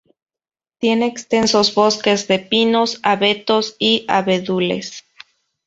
Tiene extensos bosques de pinos, abetos y abedules.